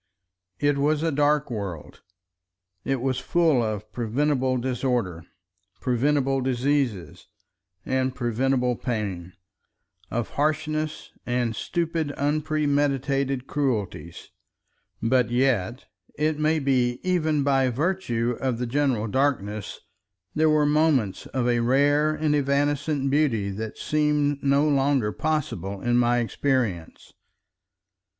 It was a dark world; it was full of preventable disorder, preventable diseases, and preventable pain, of harshness and stupid unpremeditated cruelties; but yet, it may be even by virtue of the general darkness, there were moments of a rare and evanescent beauty that seem no longer possible in my experience.